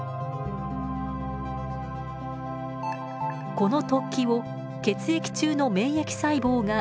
この突起を血液中の免疫細胞が異物と認識。